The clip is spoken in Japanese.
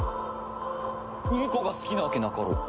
ウンコが好きなわけなかろう。